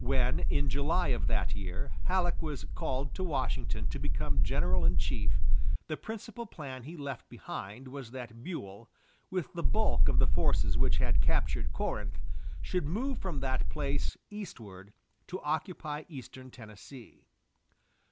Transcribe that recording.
When, in July of that year, Halleck was called to Washington to become general in chief, the principal plan he left behind was that Buell, with the bulk of the forces which had captured Corinth, should move from that place eastward to occupy eastern Tennessee.